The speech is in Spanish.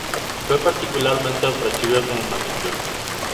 Fue particularmente opresivo con los maniqueos.